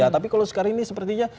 tapi kalau sekarang ini sepertinya